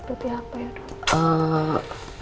tapi apa ya dong